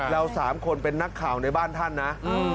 เรา๓คนเป็นนักข่าวในบ้านท่านนะ